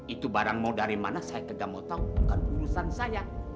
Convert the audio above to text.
itu barang mau dari mana saya tidak mau tahu bukan urusan saya